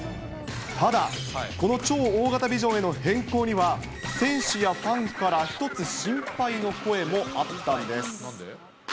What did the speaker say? ただ、この超大型ビジョンへの変更には、選手やファンから１つ心配の声もあったんです。